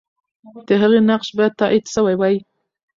د هغې نقش به تایید سوی وي.